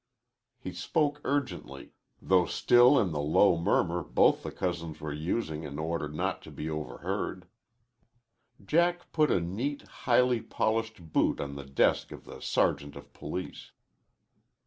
He spoke urgently, though still in the low murmur both the cousins were using in order not to be overheard. Jack put a neat, highly polished boot on the desk of the sergeant of police.